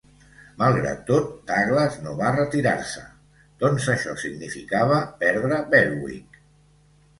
Malgrat tot, Douglas no va retirar-se, doncs això significava perdre Berwick.